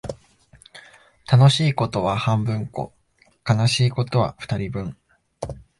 楽しいことは半分こ、悲しいことは二人分